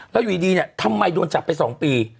แล้วอยู่ดีทำไมโดนจับไปสองปี